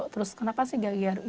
terus kenapa sih gaya gaya